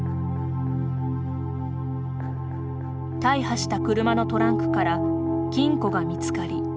大破した車のトランクから金庫が見つかり